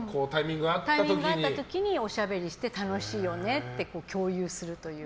タイミングがあった時におしゃべりして、楽しいよねって共有するという。